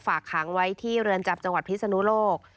ฝากขังไว้ที่เรือนจับจพิษณุโลก